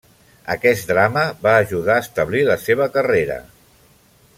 Aquest drama va ajudar a establir la seva carrera.